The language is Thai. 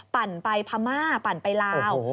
ปั่นไปพม่าปั่นไปลาว